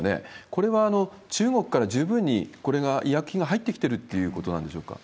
これは中国から十分にこれが、医薬品が入ってきてるということなんでしょうか？